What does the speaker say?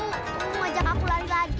hmm ajak aku lari lagi